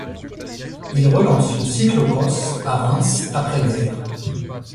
Il relance le cyclo-cross à Reims après-guerre.